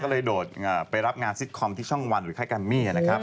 ก็เลยโดดไปรับงานซิตคอมที่ช่องวันหรือค่ายแกมมี่นะครับ